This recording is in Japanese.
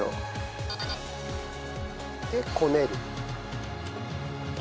でこねる。